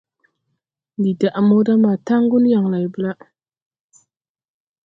Ndi daʼ mota ma taŋgu yaŋ layblaʼ.